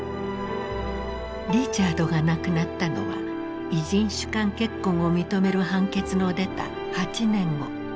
リチャードが亡くなったのは異人種間結婚を認める判決の出た８年後。